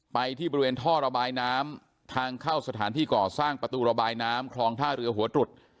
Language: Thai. ไปที่บริเวณท่อระบายน้ำทางเข้าสถานที่ก่อสร้างประตูระบายน้ำคลองท่าเรือหัวตรุษ